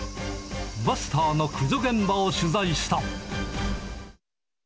バスターの駆除現場を取材した。